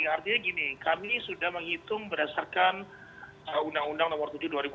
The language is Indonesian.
artinya gini kami sudah menghitung berdasarkan undang undang nomor tujuh dua ribu empat belas